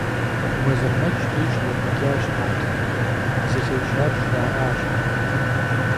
Vuezırmec dêjj yêk'uelh'aş nartxer, zılhêjar jjra'aş.